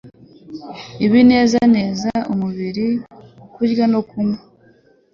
Ibinezeza umubiri, kurya no kunywa